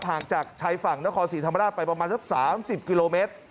ห่างจากชายฝั่งนครศรีธรรมราชไปประมาณสัก๓๐กิโลเมตร